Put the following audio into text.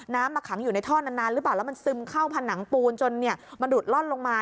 มาขังอยู่ในท่อนานหรือเปล่าแล้วมันซึมเข้าผนังปูนจนมันหลุดล่อนลงมา